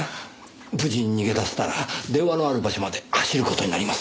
無事に逃げ出せたら電話のある場所まで走る事になります。